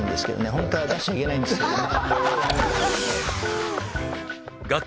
ホントは出しちゃいけないんですよね